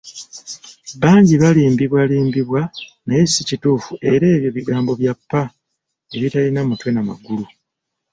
Bangi balimbwalimbwa naye si kituufu era ebyo bigambo bya ppa ebitalina mutwe n'amagulu.